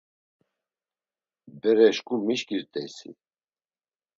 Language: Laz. “Bere şǩu mişǩirt̆eysi?”